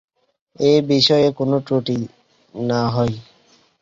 এ বিষয়ে কোন ত্রুটি না হয়।